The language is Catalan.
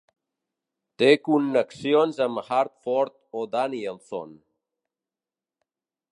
Té connexions amb Hartford o Danielson.